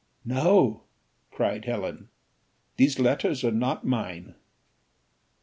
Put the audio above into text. "No," cried Helen, "these letters are not mine."